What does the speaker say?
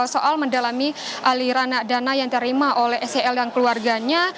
soal mendalami aliran dana yang diterima oleh sel dan keluarganya